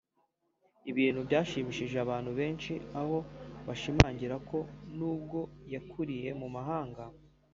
ibintu byashimishije abantu benshi aho bashimangiraga ko n’ubwo yakuriye mu mahanga